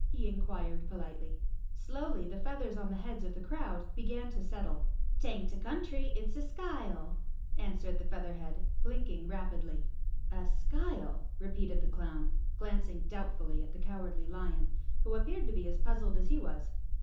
he inquired politely. Slowly the feathers on the heads of the crowd began to settle. "'Taint a country, it's a skyle," answered the Feath erhead, blinking rapidly. "A skyle?" repeated the clown, glancing doubtfully at the Cowardly Lion, who appeared to be as puzzled as he was.